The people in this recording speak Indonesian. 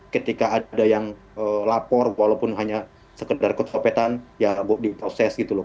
ketika ada yang lapor walaupun hanya sekedar kecopetan ya bu diproses gitu loh